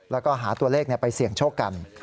แล้วก็หาตัวเลขไปเสี่ยงโชคกัน